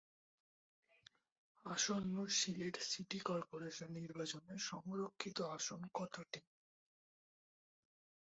আসন্ন Sylhet city corporation নির্বাচনে সংরক্ষিত আসন কতটি?